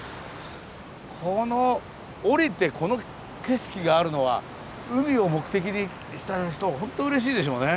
この降りてこの景色があるのは海を目的に来た人はホントうれしいでしょうね。